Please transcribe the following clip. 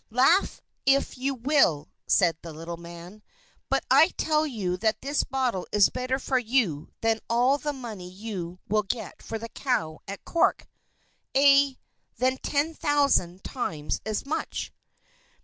"Laugh if you will!" said the little man, "but I tell you that this bottle is better for you than all the money you will get for the cow at Cork aye, than ten thousand times as much."